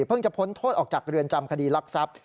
เพิ่งจะพ้นโทษออกจากเรือนจำคดีลักษัพธ์